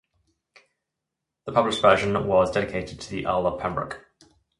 The published version was dedicated to the Earl of Pembroke.